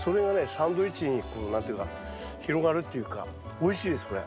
サンドイッチに何て言うのか広がるっていうかおいしいですこれ。